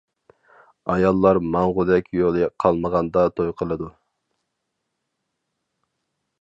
ئاياللار ماڭغۇدەك يولى قالمىغاندا توي قىلىدۇ.